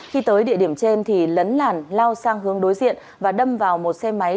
khi tới địa điểm trên thì lấn làn lao sang hướng đối diện và đâm vào một xe máy